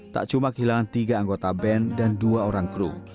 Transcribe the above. tak cuma kehilangan tiga anggota band dan dua orang kru